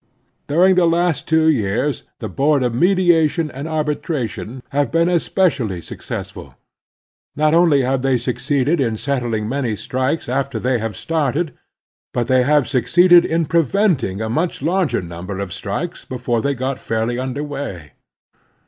During the last two years the Board of Mediation and Arbitration have been especially successful. Not only have they succeeded in settling many strikes after they were started, but they have suc ceeded in preventing a much larger number of strikes before they got fairly tmder way.